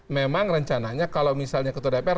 memang rencananya kalau misalnya ketua dpr